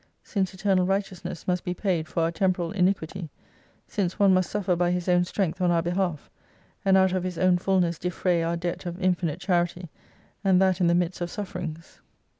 since eternal right eousness must be paid for our temporal iniquity : since one must suffer by His own strength on our behalf ; and out of His own fullness defray our debt of infinite charity, and that in the midst of sufferings ; 10.